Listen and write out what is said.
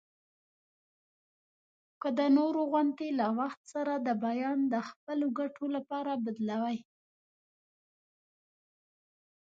که د نورو غوندي له وخت سره د بیان د خپلو ګټو لپاره بدلوي.